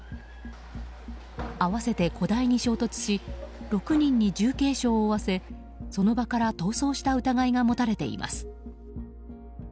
合わせて５台に衝突し６人に重軽傷を負わせその場から逃走した疑いが持たれています。